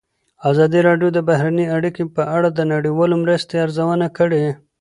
ازادي راډیو د بهرنۍ اړیکې په اړه د نړیوالو مرستو ارزونه کړې.